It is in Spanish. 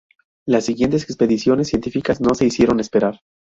Las siguientes expediciones científicas no se hicieron esperar.